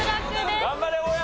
頑張れ大家！